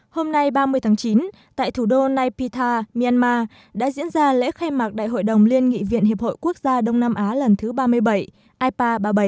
hôm nay ba mươi tháng chín tại thủ đô nay pita myanmar đã diễn ra lễ khai mạc đại hội đồng liên nghị viện hiệp hội quốc gia đông nam á lần thứ ba mươi bảy ipa ba mươi bảy